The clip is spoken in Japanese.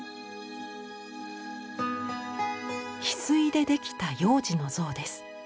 ヒスイでできた幼児の像です。